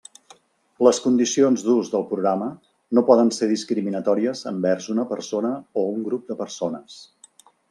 Les condicions d'ús del programa no poden ser discriminatòries envers una persona o un grup de persones.